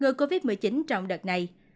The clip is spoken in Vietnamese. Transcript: ngừa covid một mươi chín trong đợt này